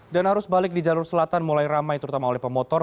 dan arus balik di jalur selatan mulai ramai terutama oleh pemotor